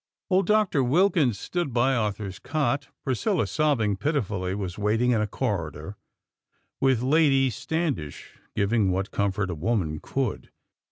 Old Doctor Wilkins stood by Arthur's cot; Priscilla, sobbing pitifully, was waiting in a corridor, with Lady Standish giving what comfort a woman could.